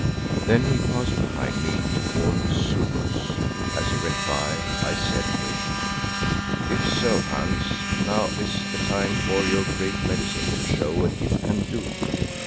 Then he passed behind me to warn the Zulus. As he went by, I said to him, "If so, Hans, now is the time for your Great Medicine to show what it can do."